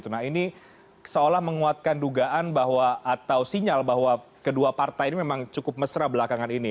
nah ini seolah menguatkan dugaan bahwa atau sinyal bahwa kedua partai ini memang cukup mesra belakangan ini